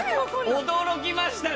驚きましたね。